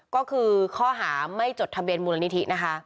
ก็คือข้อหาไม่จดทะเบียนมูลนิธินะคะ